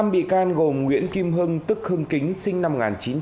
năm bị can gồm nguyễn kim hưng tức hưng kính sinh năm một nghìn chín trăm sáu mươi ba